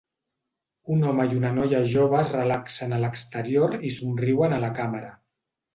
Un home i una noia jove es relaxen a l'exterior i somriuen a la càmera.